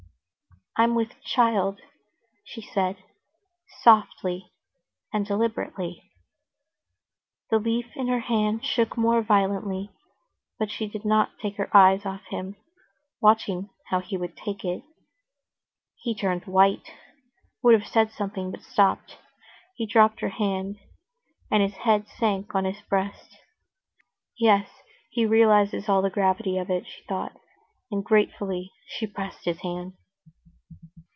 "I'm with child," she said, softly and deliberately. The leaf in her hand shook more violently, but she did not take her eyes off him, watching how he would take it. He turned white, would have said something, but stopped; he dropped her hand, and his head sank on his breast. "Yes, he realizes all the gravity of it," she thought, and gratefully she pressed his hand.